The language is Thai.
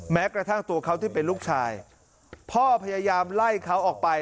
แม้กระทั่งตัวเขาที่เป็นลูกชายพ่อพยายามไล่เขาออกไป